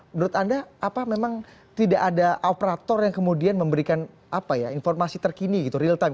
menurut anda apa memang tidak ada operator yang kemudian memberikan informasi terkini gitu real time